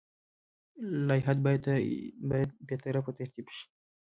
لایحه باید بې طرفه ترتیب شي.